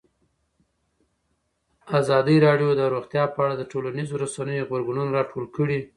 ازادي راډیو د روغتیا په اړه د ټولنیزو رسنیو غبرګونونه راټول کړي.